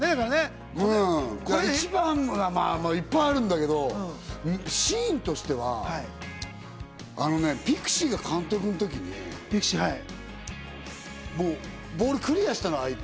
一番はね、まぁいっぱいあるんだけど、シーンとしては、ピクシーが監督の時に相手がボールをクリアしたの。